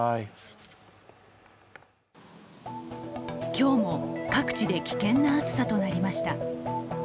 今日も各地で危険な暑さとなりました。